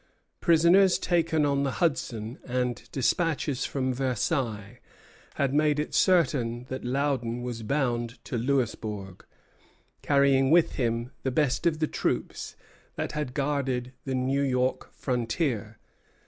Prisoners taken on the Hudson and despatches from Versailles had made it certain that Loudon was bound to Louisbourg, carrying with him the best of the troops that had guarded the New York frontier.